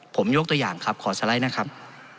ผมยกตัวอย่างครับขอสไลด์นะครับ